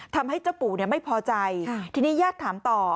ทำให้เจ้าปู่ไม่พอใจทีนี้ญาติถามต่อ